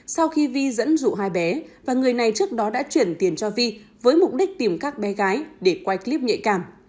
sau khi vi dẫn dụ hai bé và người này trước đó đã chuyển tiền cho vi với mục đích tìm các bé gái để quay clip nhạy cảm